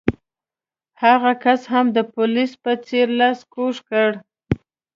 هغه کس هم د پولیس په څېر لاس کوږ کړ.